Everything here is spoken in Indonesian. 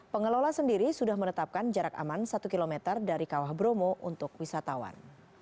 pengelola sendiri sudah menetapkan jarak aman satu km dari kawah bromo untuk wisatawan